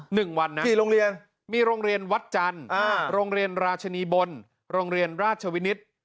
หนึ่งวันนะครับมีลงเรียนวัดจันทร์ลงเรียนราชนีบลลงเรียนราชวินิตร